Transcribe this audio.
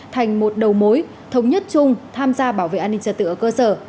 thành một đầu mối thống nhất chung tham gia bảo vệ an ninh trật tự ở cơ sở